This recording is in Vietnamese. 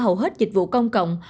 hầu hết dịch vụ công cộng